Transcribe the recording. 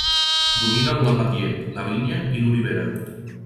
Dominen l'ametller, la vinya i l'olivera.